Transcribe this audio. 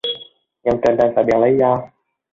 Nhưng trinh đành phải biện lý do